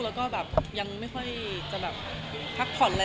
แล้วก็แบบยังไม่ค่อยจะแบบพักผ่อนอะไร